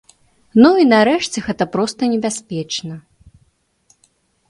Ну і нарэшце, гэта проста небяспечна.